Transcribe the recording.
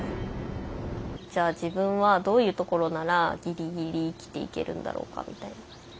じゃあ自分はどういうところならギリギリ生きていけるんだろうかみたいな。